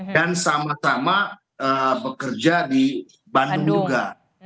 dan sama sama bekerja di bandung juga